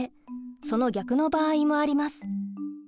その逆の場合もあります。